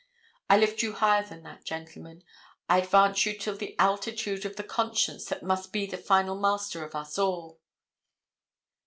I lift you higher than that, gentlemen. I advance you to the altitude of the conscience that must be the final master of us all.